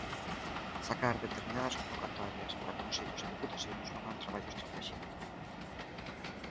Sacar determinadas convocatorias para concellos e deputacións non é un traballo estratéxico.